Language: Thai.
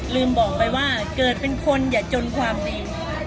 ลืมบอกไปว่าเกิดเป็นคนอย่าจนความดี